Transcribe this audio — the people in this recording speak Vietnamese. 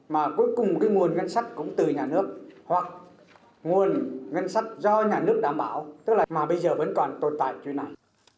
mà cuối cùng cái nguồn ngân sách cũng từ nhà nước hoặc nguồn ngân sách do nhà nước đảm bảo tức là mà bây giờ vẫn còn tồn tại như thế nào